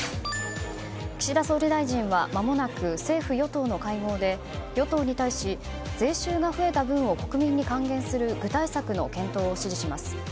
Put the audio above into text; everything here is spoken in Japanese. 岸田総理大臣は間もなく政府・与党の会合で与党に対し、税収が増えた分を国民に還元する具体策の検討を指示します。